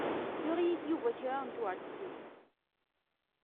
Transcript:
Yuɣ-iyi-d Yuba kra n tweṛdtin.